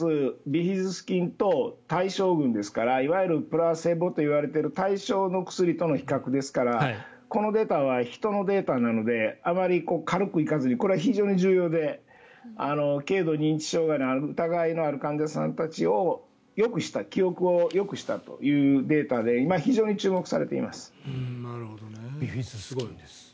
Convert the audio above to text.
ビフィズス菌と対照群ですからいわゆるプラセボといわれている対照の薬との比較ですからこのデータは人のデータなのであまり軽く行かずにこれは非常に重要で軽度認知障害の疑いのある患者さんたちの記憶をよくしたというデータでビフィズス菌です。